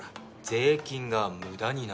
税金が無駄になる。